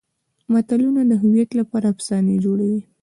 ملتونه د هویت لپاره افسانې جوړوي.